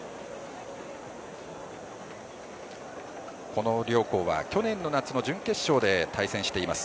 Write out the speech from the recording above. この両校は去年の夏の準決勝で対戦しています。